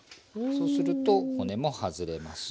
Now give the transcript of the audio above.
そうすると骨も外れます。